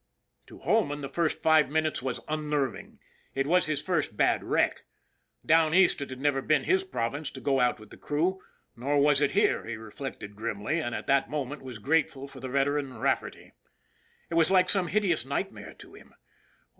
To Holman the first five minutes was unnerving. It was his first bad wreck. Down East it had never been his province to go out with the crew nor was it here, RAFFERTY'S RULE 19 he reflected grimly, and at that moment was grateful for the veteran Rafferty. It was like some hideous nightmare to him.